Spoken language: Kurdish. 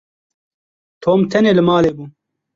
Tom tenê li malê bû.